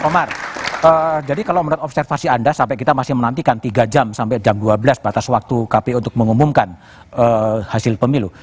komar jadi kalau menurut observasi anda sampai kita masih menantikan tiga jam sampai jam dua belas batas waktu kpu untuk mengumumkan hasil pemilu